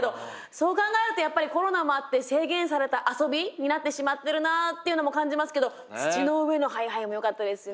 そう考えるとやっぱりコロナもあって制限された遊びになってしまってるなっていうのも感じますけど土の上のハイハイもよかったですね。